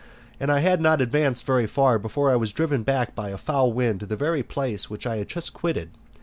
And I had not advanced far before I was driven back by a foul wind to the very place which I had just quitted.